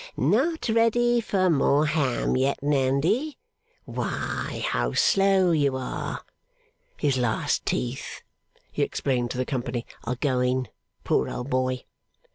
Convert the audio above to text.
'Not ready for more ham yet, Nandy? Why, how slow you are! (His last teeth,' he explained to the company, 'are going, poor old boy.